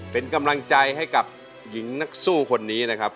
เป็นกำลังใจให้กับหญิงนักสู้คนนี้นะครับ